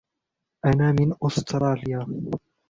أنا من أُستراليا.